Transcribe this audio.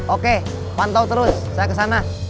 oke pantau terus saya ke sana